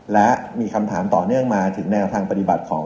และมีคำถามต่อเนื่องมาถึงแนวทางปฏิบัติของ